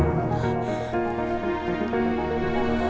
aku mau ke rumah sakit